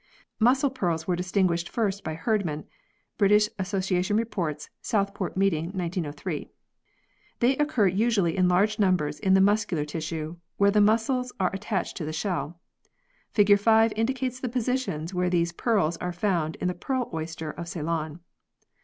Muscle pearls were distinguished first by Herdman (British Association Report, South port Meeting, 1903). They occur usually in large numbers in the muscular tissue, where the muscles are attached to the shell. Fig. 5 indicates the positions where these pearls are found in the pearl oyster of Ceylon.